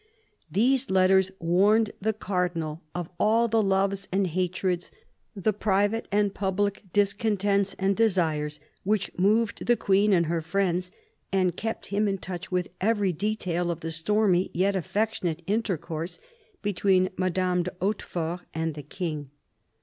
These letters warned the Cardinal of all the loves and hatreds, the private and public discontents and desires, which moved the Queen and her friends, and kept him in touch with every detail of the stormy yet affectionate intercourse between Madame de Hautefort and the King.